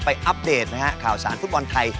อัปเดตนะฮะข่าวสารฟุตบอลไทย